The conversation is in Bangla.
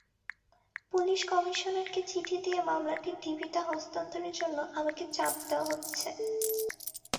পুলিশ কমিশনারকে চিঠি দিয়ে মামলাটি ডিবিতে হস্তান্তরের জন্য আমাকে চাপ দেওয়া হচ্ছে।